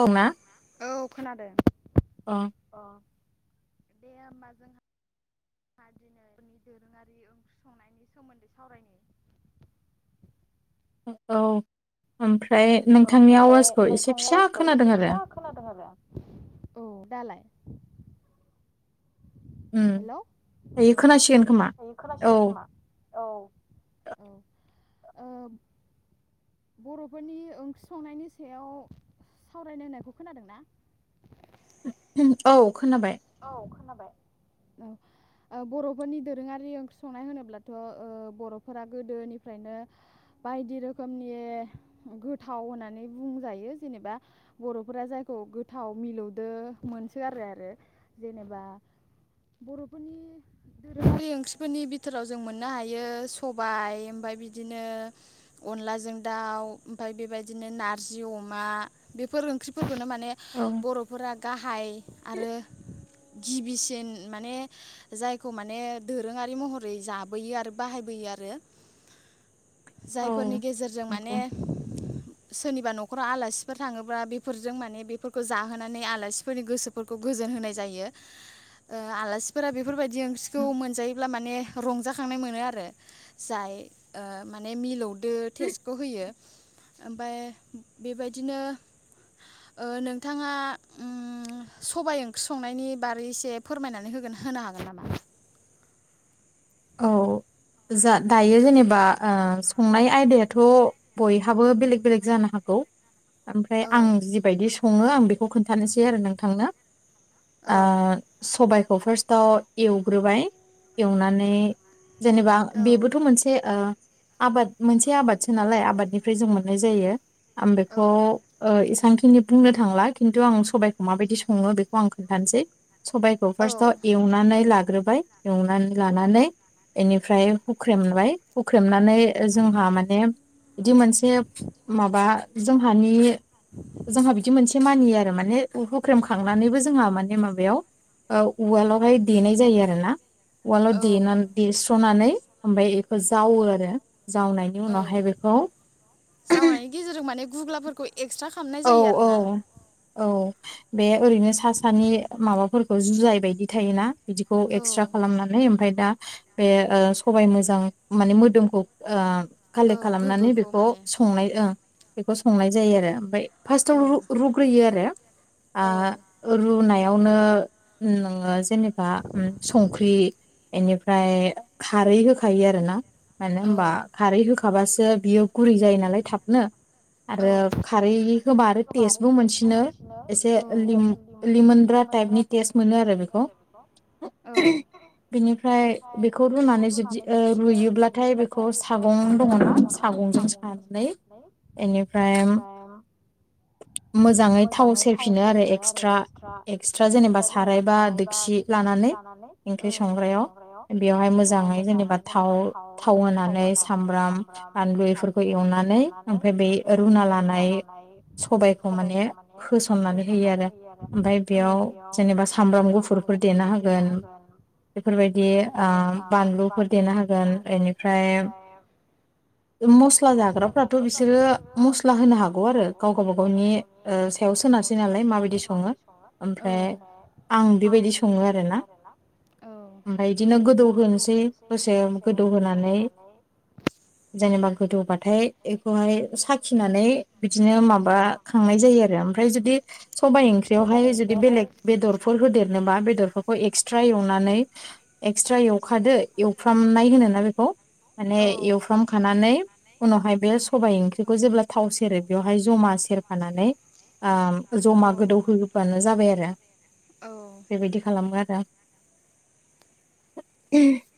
औ मा औ खोनादों अ दे होमबा जोंहा दिनै जोंनि दोरोङारि ओंख्रि संनायनि सोमोन्दै सावरायनो औ ओमफ्राय औ नोंथांनि ओमफ्राय आवाजखौ एसे नोंथांनि फिसा अआवासखौ खोनादों एसे आरो फिसा खोनादों आरो औ दालाय उम हेल' खोनासिगोन खोमा दायो औ खोनसिगोन खोमा औ औ अ बर'फोरनि ओंख्रि संनायनि सायाव सावरायनो होननायखौ खोनादोंना औ खोनाबाय औ खोनाबाय औ ओ बर'फोरनि दोरोङारि ओंख्रि संनाय होनोब्लाथ' ओ बर'फोरा गोदोनिफ्रायनो बायदि रोखोमनि गोथाव होननानै बुंजायो जेनेबा बर'फोरा जायखौ गोथाव मिलौदो मोनसो आरो आरो जेनेबा बर'फोरनि दोरोङारि ओंख्रिफोरनि बिथोराव जों मोननो हायो सबाय ओमफ्राय बिदिनो अनलाजों दाउ ओमफ्राय बेबायदिनो नारजि अमा बेफोर ओंख्रिफोरखौनो मान माने औ बर'फोरा गाहाय आरो गिबिसिन माने जायखौ माने दोरोङारि महरै जाबोयो आरो बाहायबोयो आरो औ जायफोरनि गेजेरजों माने नंगौ सोरनिबा न'खराव आलासिफोर थाङोब्ला बेफोरजों माने बेफोरखौ जाहोनानै आलासिफोरनि गोसोफोरखौ गोजोन होनाय जायो। रो ओ आलासिफोरा बेफोरबायदि ओंख्रिखौ मोनजायोब्ला माने रंजाखांनाय मोनो आरो जाय ओ माने मिलौदो टेस्टखौ होयो ओमफ्राय बेबायदिनो ओ नोंथाङा ओ सबाइ ओं संनायनि बारै एसे फोरमायनानै होगोन होनो हागोन नामा औ जा दायो जेनेबा ओ संनाय आयदायाथ' बयहाबो बेलेक बेलेक जानो हागौ ओमफ्राय औ आं जिबायदि सङो आं बेखौ खौ खोन्थानोसै आरो नोंथांनो औ आ सबाय खौ फार्स्टआव एवग्रोबाय एवनानै [inaudible] जेनेबा औ बेबोथ' मोनसे ओ आबाद मोनसे आबादसो नालाय आबादनिफ्राय जों मोननाय जायो आं बेखौ ओ इसां बेखिनि बुंनो थांला खिन्थु आं सबाइखौ माबायदि सङो बेखौ आं खोन्थानोसै सबाइखौ औ फार्स्टव एवनानै लाग्रो बाय एवनानै लानानै एनिफ्राय हुख्रेमबाय हुख्रेमनानै नै जोंहा माने इदि मोनसे माबा जोंहानि जोंहा बिदि मोनसे एसे मानियो आरो माने हुख्रेम खांनानैबो जोंहा माने माबायाव ओ उवालावहाय देनाय जायो आरो ना उवालाव देनानै एस्र'नानै ओमफ्राय एखौ जावो आरो जावनायनि औ उनावहाय बेखौ जावनायनि गेजेरजों माने गुग्लाफोरखौ एक्सट्रा खालामनाय औ जायो औ आरोना औ बे ओरैनो सा सानि माबाफोरखौ जुजाय बायदि थायोना बिदिखौ औ एक्स्रा खालामनानै ओमफाय दा बे ओ सबाय मोजां माने मोदोमखौ आ औ कालेक्ट खालामनानै गोग्गोखौ बेखौ माने संनाय ओ बेखौ संनाय जायो आरो ओमफाय औ फार्स्टआव रु रुग्रोयो आरो आ औ रुनाय यावनो नोङो जेनेबा उम संख्रि एनिफ्राय खारै होखायो आरो ना मानो औ होमबा खारै होखाबासो बियो गुरै जायो नालाय थाबनो आरो खारै होनबा आरो टेस्टबो मोनसिनो औ ए लिमोनग्रा टाइपनि थेस्ट मोनो आरो बेखौ बिनिफ्राय बेखौ रुनानै जुदि ओ रुयोब्लाथाय बेखौ सागं दङ नामा सागंजों सानानै बेनिफ्राय इनिफ्राइ मोजाङै थाव सेरफिनो आरो एक्सट्रा एक्सट्रा जेनेबा साराय बा दोखसि लानानै ओंख्रि संग्रायाव बेवहाय मोजाङै जेनेबाव थाव थाव होनानै सामब्राम बानलु बेफोरखौ एवनानै ओमफ्राय बे रुना लानाय सबायखौ माने होसननानै होयो आरो ओमफाय बेयाव जेनेबा सामब्राम गुफुरफोर देनो हागोन बेफोरबायदि ओ बानलुफोर देनो हागोन एनिफ्राय इ मस्ला जाग्राफ्राथ' बिसोरो ओ मस्ला होनो हा गौ आरो गाव गा बागावनि ओ सायाव सोनसै नालाय माबायदि सङो ओमफ्राय आं बेबायदि सङो आरोना ओमफाय इदिनो गोदौ होनोसै दसे गोदौ होनानै जेनबानै गोदौबाथाय इखौ फाय साखिनानै बिदिनो माबा खांनाय जायो आरो ओमफ्राय जुदि सबाइ ओंख्रियावहाय जुदि बेलेग बेदरफोर होदेरनो बा बेदरफोरखौ एक्सट्रा एवनानै एक्सट्रा एवखादो एवफ्रामनाय होनोना बेखौ माने इउफ्राम खानानै उनावहाय बे सबाय ओंख्रिखौ जेब्ला थाव सेरो बेवहाय जमा सेरफानानै आ जमा गोदौ होबानो जाबाय आरो आरो बेबायदि खालामो आरो [unintelligible]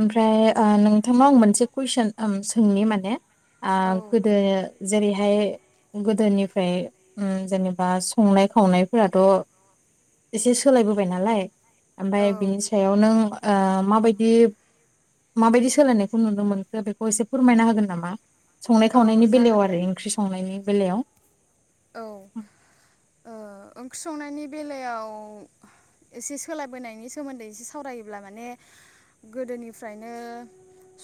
ओमफ्राय आ नोंथांनाव आं मोनसे कुइसन ओम सोंनि माने आ औ गोदो जेरैहाय गोदोनिफ्राय ओ जेनेबा संनाय खावनायफोराथ' एसे सोलायबोबाय नालाय ओमफाय औ बिनि सायाव नों ओ माबायदि माबायदि सोलायनायखौ नुनो मोनखो बेखौ एसे फोरमायना होगोन नामा संनाय औ खावनायनि बेलायाव जागोन दे आरो ओंख्रि संनायनि बेलायाव औ ओ ओं ओंख्रि संनायनि बेलायाव एसे सोलायबोनायनि सोमोन्दै एसे सावरायोब्ला माने गोदोनिफ्रायनो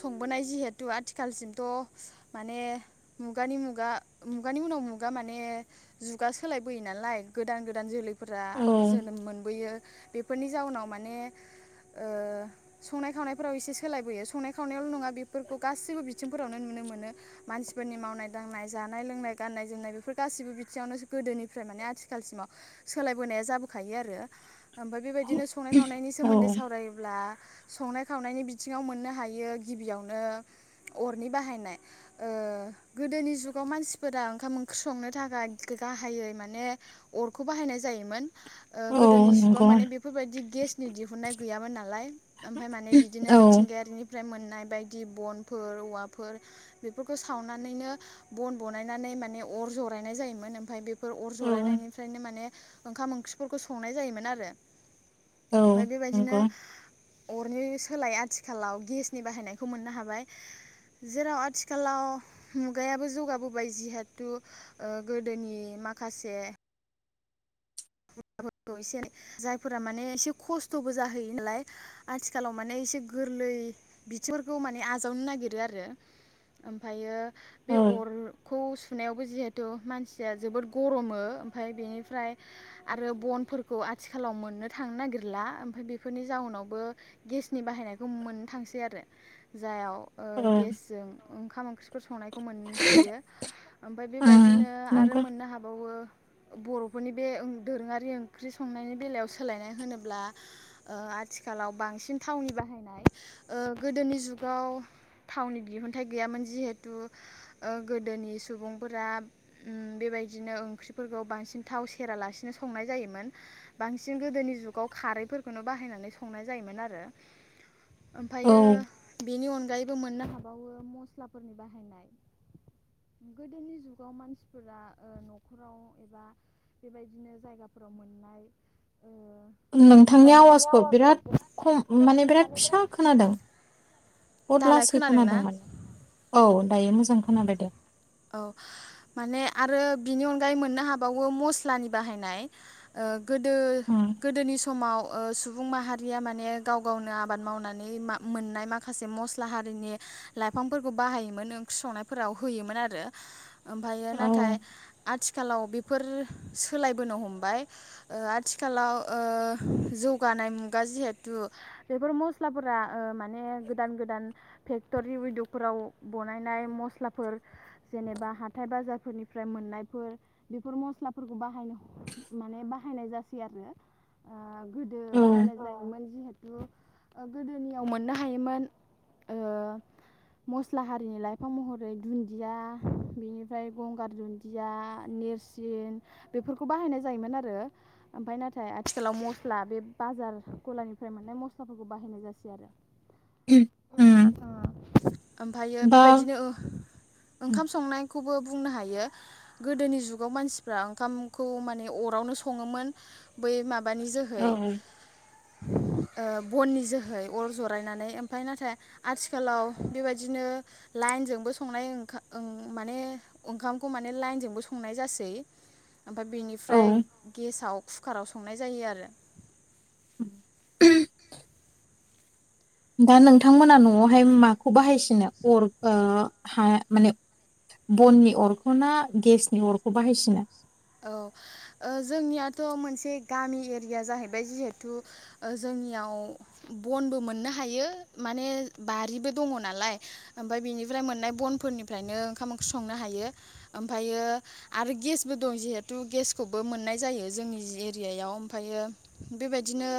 संबोनाय जिहेथु आथिखालसिमथ' माने मुगानि मुगा मुगानि उनाव मुगा माने माने जुगा सोलायबोयो नालाय गोदान गोदान जोलै फोरा औ जोनोम मोनबोयो बेफोरनि जाउनाव माने ओ संनाय खावनायफोराव एसे सोलायबोयो संनाय खावनायावल' नङा बेफोरखौ गासैबो बिथिंफोरावनो नुनो मोनो मानसिफोरनि मावनाय दांनाय जानाय लोंनाय गाननाय जोमनाय बेफोरखौ गासिबो बिथिङावनो गोदोनिफ्राय माने आथिखालसिमाव सोलायबोनाया जाबोखायो आरो ओमफाय बेबायदि बिदिनो संनाय खावनायनि औ सोमोन्दै सावरायोब्ला संनाय खावनायनि बिथिङाव मोननो हायो गिबियावनो अरनि बाहायनाय ओ गोदोनि जुगाव मानसिफोरा ओंखाम ओंख्रि संनो थाखाय गाहायै माने अरखौ बाहायनाय जायोमोन ओ औ गोदोनि जुगाव नंगौ माने बेफोरबायदि गेसनि दिहुननाय गैयामोन नालाय ओमफ्राय माने बिदिनो औ मिथिंगायारिनिफ्राय मोन नाय बायदि बनफोर औवाफोर बेफोरखौ सावनानैनो बन बानायनानै माने अर जरायनाय जायोमोन ओमफाय बे फोर अर जरायनायनिफ्रायनो माने ओंखाम ओंख्रिफोरखौ संनाय जायोमोन आरो औ ओमफाय बेबायदिनो नंगौ अरनि सोलाय आथिखालाव गेसनि बाहायनायखौ मोननो हाबाय जेराव आथिखालाव मुगायाबो जौगाबोबाय जिहेतु थु गोदोनि माखासे फोरखौ एसेओ जायफोरा माने एसे खस्थ'बो जाहैयो नालाय आथिखालाव माने एसे गोरलै बिथिंफोरखौ माने आजावनो नागिरो आरो ओमफायो बे औ अरखौ सुनायाव बो जिहेथु मानसिया जोबोद गर मो ओमफाय बेनिफ्राय आरो बनफोरखौ आथिखालाव मोननो थांनो नागिरला ओमफाय बेफोरनि जाउनावबो गेसनि बाहायनायखौ मोननो थांसै आरो जायाव ओ गेसजों ओंखाम ओंख्रि बेफोर संनायखौ मोन हायो ओमफाय उम बेबायदिनो आरो नंगौ मोननो हाबावो बर'फोरनि बे ओं दोरोङारि ओंख्रि संनायनि बेलायाव सोलायनाय होनोब्ला ओ आथिखालाव बांसिन थावनि बाहायनाय गोदोनि जुगाव थावनि दिहुनथाइ गैयामोन जिहेथु ओ गोदोनि सुबुंफोरा ओम बेबायदिनो ओंख्रिफोरखौ बांसिन थाव सेरालासिनो संनाय जायोमोन बांसिन गोदोनि जुगाव खारैफोरखौनो बाहायनानै संनाय जायोमोन आरो औ ओमफायो बेनि अन अनगायैबो मोननो हाबावो मस्लाफोरनि बाहायनाय गोदोनि जुगाव मानसिफोरा न'खराव एबा बेबायदिनो जायगाफोराव मोननाय ओ नोंथांनि आवाजखौ बिराद खम माने बिराद फिसा खोनादों बहुद दालाय लासै ना? खोनादों माने औ दायो मोजां खोनाबाय दे औ माने आरो बिनि अनगायै मोननो हाबावो मस्लानि बाहायनाय ओ गोदो उम गोदोनि समाव ओ सुबुं माहारिया माने गाव गावनो आबाद मावनानै मा मोननाय माखासे मस्ला हारिनि लाइफांफोरखौ बाहायोमोन ओं ख्रि संनायफोराव होयोमोन आरो ओमफ्रायो औ नाथाय आथि आथिखालाव बेफोर सोलाय बोनो हमबाय ओ आथिखालाव ओ जौगानाय मुगा जिहेथु बेफोर मस्लाफोरा ओ माने गोदान गोदान भेकतुरि उइदक फोराव बानायनाय मस्लाफोर जेनेबा हाथाय बाजारफोरनिफ्राय मोननायफोर बेफोर मस्लाफोरखौ बाहायनो माने बाहायनाय जासै आरो ओ गोदो औ बाहायनाय जायोमोन जिहेथु ओ गोदोनियाव मोननो हायोमोन ओ मस्ला हा रिनि लाइफां महरै दुन्दिया बेनिफ्राय गंगार दुन्दिया नेरसिन बेफोरखौ बाहायनाय जायोमोन आरो ओमफ्राय नाथाय आथिखालाव मस्ला बे बाजार गलानिफ्राय मोननाय मस्लाफोरखौ बाहायनाय जासै आरो ओ उम ओमफायो दा बेबायदिनो ओ ओंखाम संनाय खौबो बुंनो हायो गोदोनि जुगाव मानसिफ्रा ओंखामखौ माने अरावनो सङोमोन बै मा बानि जोहै औ ओ बननि जोहै अर जरायनानै ओमफ्राय नाथाय आथिखालाव बेबायदिनो लाइनजोंबो संनाय ओं माने ओंखामखौ माने लाइनजोंबो संनाय जासै ओमफ्राय बेनिफ्राय गेसाव कुकाराव संनाय जायो आरो औ दा नोंथांमोना न'आवहाय माखौ बाहायसिनो अर ओ ह माने बननि अरखौ ना गेसनि अरखौ बाहायसिनो औ ओ जोंनियाथ' मोनसे गामि एरिया जाहैबाय जिहेथु ओ जोंनियाव बनबो मोननो हायो माने बारिबो दङ नालाय ओमफ्राय बेनिफ्राय मोननाय बनफोरनिफ्रायनो ओंखाम ओंख्रि संनो हायो ओमफ्रायो आरो गेसबो दं जिहेथु गेसखौबो मोननाय जायो जोंनि एरियायाव ओमफ्रायो बेबायदिनो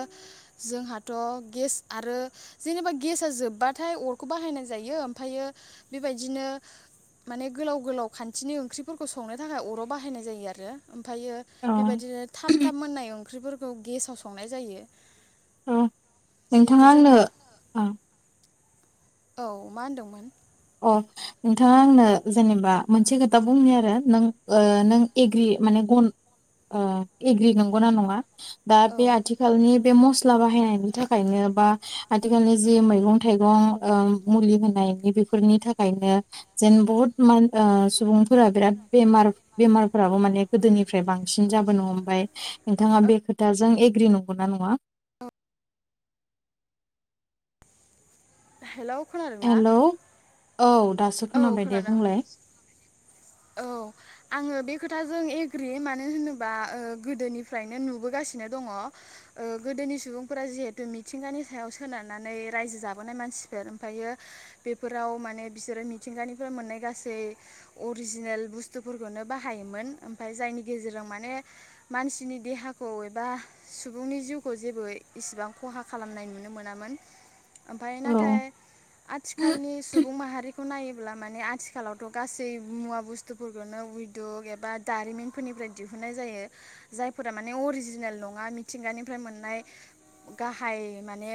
जोंहाथ' गेस आरो जेनेबा गेसआ जोबबाथाय अरखौ बाहायनाय जायो ओमफ्रायो बेबायदिनो माने गोलाव गोलाव खानथिनि ओंख्रिफोरखौ संनो थाखाय अराव बाहायनाय जायो आरो ओम फायो अ बेबायदिनो थाब थाब मोननाय ओंख्रिफोरखौ गेसाव संनाय जायो। औ जिहेथु नोंथाङा आंनो जोंहा ओ औ मा होनदोंमोन अ नोंथाङा आंनो जेनेबा मोनसे खोथा बुंनो आरो नों नों एग्रि माने गन ओ एग्रि नंगौना नङा अ दा औ बे आथिखालनि बे म स्ला बाहायनायनि थाखायनो बा आथिखालनि जि मैगं थाइगं औ मुलि होनायनि बे फोरनि थाखायनो जेन बहुत मान ओ सुबुंफोरा बिराद बेमार बेमारफोराबो माने गोदोनिफ्राय बांसिन जाबोनो हमबाय नोंथाङा बे खोथाजों एग्रि नंगौना नङा औ हेलौ खोनादों ना हेलौ औ दासो औ खोनाबाय दे खोनादों बुंलाय औ आङो बे खोथाजों एग्रि मानो होनोबा ओ गोदोनिफ्रायनो नुबोगासिनो दङ ओ गोदोनि सुबुंफोरा जिहेथु मिथिंगानि सायाव सोनारनानै रायजो जाबोनाय मानसिफोर ओमफ्रायो बेफोराव माने बिसोरो मिथिंगानिफ्राय मोननाय गासै अरिजिनेल बुस्थुफोरखौनो बाहायोमोन ओमफाय जायनि गेजेरजों माने मानसिनि देहाखौ एबा सुबुंनि जिउखौ जेबो इसिबां खहा खालामनाय नुनो मोनामोन ओमफाय नाथाय औ आथिखालनि सुबुं माहारि खौ नायोब्ला माने आथिखालावथ' गासै मुवा बुस्थुफोरखौनो उइदुक एबा दारिमिनफोरनिफ्राय दिहुनाय जायो जायफोरा माने अरिजिनेल नङा मिथिंगानिफ्राय मोननाय गाहाय माने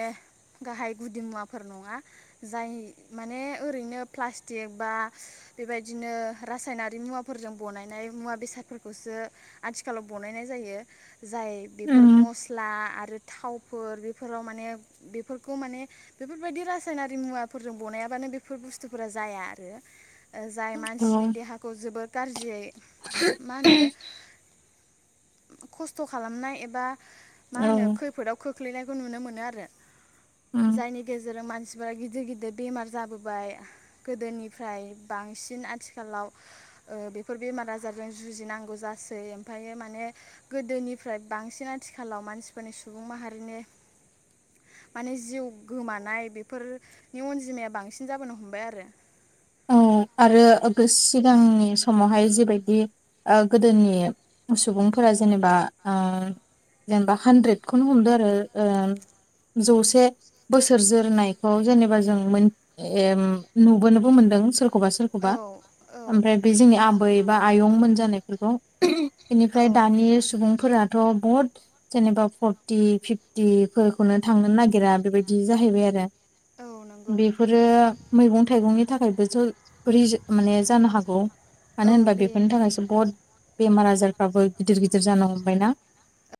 गाहाय गुदि मुवाफोर नङा जाय माने ओरैनो प्लास्टिक बा बेबायदि बिदिनो रासायनारि मुवाफोरजों बनायनाय मुवा बेसादफोरखौसो आथिखालाव बनायनाय जायो जाय बेफोर उम मस्ला आरो आरो थावफोर बेफोराव माने बेफोरखौ माने बेफोरबायदि रासायनारि मुवाफोरजों बनायाबानो बेफोर बुस्थुफोरा जाया आरो जाय औ मानसिनि देहाखौ जोबोद गारजियै मा होनो खस्थ' खालामनाय एबा मा औ होनो खैफोदाव खो खोख्लैनायखौ नुनो मोनो आरो उम जायनि गेजेरजों मानसि बिबार गिदिर गिदिर बेमार जाबोबाय गोदोनिफ्राय बांसिन बांसिन आथिखालाव ओ बेफोर बेमार आजारजों जुजिनांगौ जासै ओमफ्राय माने गोदोनिफ्राय बांसिन आथिखालाव मानसिफोरनि सुबुं माहारिनि माने जिउ गोमानाय बेफोरनि अनजिमाया बांसिन जाबोनो हमबाय आरो औ आरो सिगांनि समावहाय जिबायदि आ गोदोनि सुबुंफोरा जेनेबा जेनेबा ओ हानद्रेदखौनो हमदों आरो ओ जौसे बोसोर जोरनायखौ जेनेबा जों नुबोनोबो मोनदों दों सो सोरखौबा सोरखौबा औ औ ओमफाय बे जोंनि आबै एबा आयंमोन जानायफोरखौ औ बेनिफ्राय दानि सुबुंफोरा थ' बहुद जेनेबा फर्टि फिफटिफोरखौनो थांनो नागिरा बेबायदि जाहैबाय आरो औ नंगौ बेफोरो मैगं थाइगंनि नि थाखायबो ज र माने जानो हागौ मानो औ होनबा बे बेफोरनि थाखायसो बहुद बेमार आजारफ्राबो गिदिर गिदिर जानो हमबायना